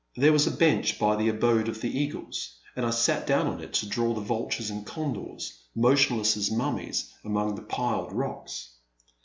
There was a bench by the abode of the eagles, and I sat down on it to draw the vultures and condors, motionless as mummies among the piled rocks.